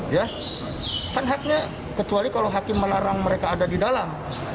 ya kan haknya kecuali kalau hakim melarang mereka ada di dalam